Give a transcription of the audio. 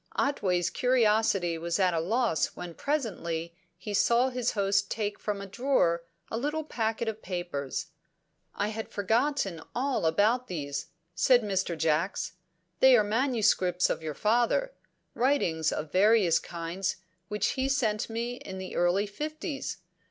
Otway's curiosity was at a loss when presently he saw his host take from a drawer a little packet of papers. "I had forgotten all about these," said Mr. Jacks. "They are manuscripts of your father; writings of various kinds which he sent me in the early fifties.